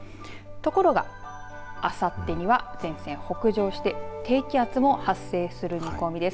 ところがあさってには前線北上して、低気圧も発生する見込みです。